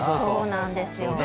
そうなんですよ。